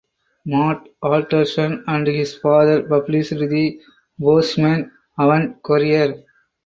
Matt Alderson and his father published the "Bozeman Avant Courier".